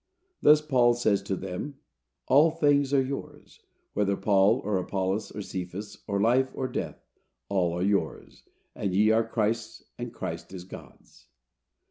Thus Paul says to them, "All things are yours; whether Paul, or Apollos, or Cephas, or life, or death, all are yours, and ye are Christ's, and Christ is God's."